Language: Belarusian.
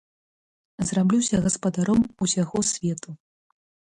Зраблюся гаспадаром усяго свету.